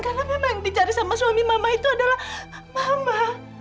karena memang yang dicari sama suami mama itu adalah mama